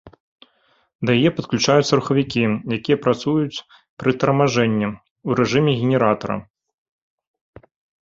Да яе падключаюцца рухавікі, якія працуюць пры тармажэнні ў рэжыме генератара.